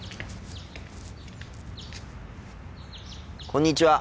こんにちは。